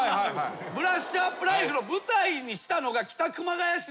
『ブラッシュアップライフ』の舞台にしたのが北熊谷市でしょ？